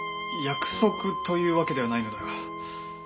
約束というわけではないのだが。